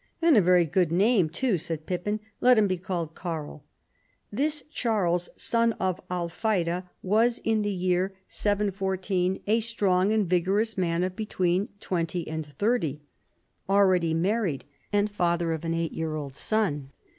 " And a very good name, too," said Pi]»pin. ''Lot him be called Carl." This Charles, son of Alphaida, was in the year 714 a PIPPIN OF HERISTAL AND CHARLES MARTEL. 49 strong and vigorous man of between twenty and thirty, already married and father of an eight year old son.